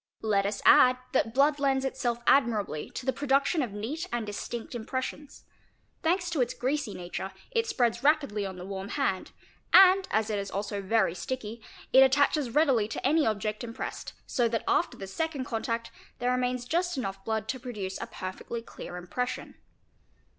Let us add that blood lends itself admirably to the production of neat and distinct impressions; thanks to its greasy nature it spreads rapidly on the warm hand, and as it is also very sticky, it attaches readily to any object impressed, so that after the second contact there remains just enough blood to produce a perfectly clear impres sion.